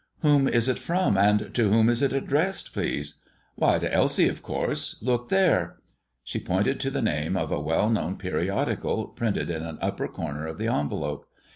"Whom is it from, and to whom is it addressed, please?" "Why, to Elsie, of course. Look there!" She pointed to the name of a well known periodical, printed in an upper corner of the envelope.